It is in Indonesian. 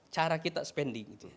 cara kita spending